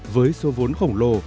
với số vốn khổng lồ